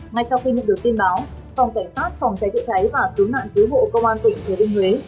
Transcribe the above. ngay sau khi được được tin báo phòng cảnh sát phòng cháy chữa cháy và cứu mạng cứu bộ công an tỉnh thừa thinh huế